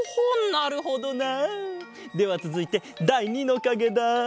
なるほどな。ではつづいてだい２のかげだ。